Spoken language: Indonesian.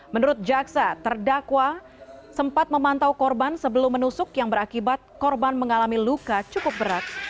menurut jaksa terdakwa sempat memantau korban sebelum menusuk yang berakibat korban mengalami luka cukup berat